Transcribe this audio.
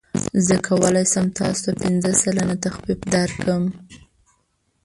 زه کولی شم تاسو ته پنځه سلنه تخفیف درکړم.